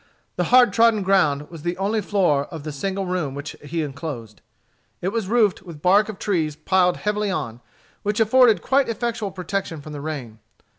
The hard trodden ground was the only floor of the single room which he enclosed. It was roofed with bark of trees piled heavily on, which afforded quite effectual protection from the rain.